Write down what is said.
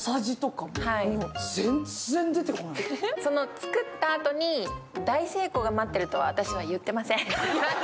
作ったあとに大成功が待っているとは、私は言っていません。